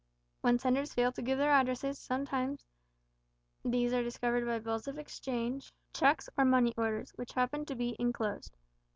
When senders fail to give their addresses, sometimes these are discovered by bills of exchange, cheques, or money orders, which happen to be enclosed.